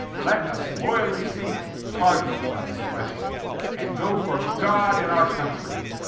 Let us loyally sink "party" on this question, and go for "God and our Country."